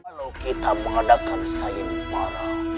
kalau kita mengadakan sayang para